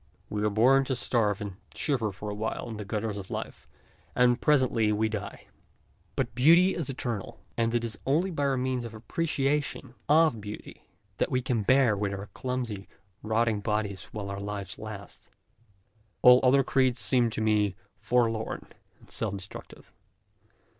We are born to starve and shiver for a while in the gutters of life and presently we die. But beauty is eternal, and it is only by means of our appreciation of beauty that we can bear with our clumsy, rotting bodies while our life lasts. All other creeds seem to me forlorn and self destructive.